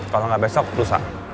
kalau nggak besok lusa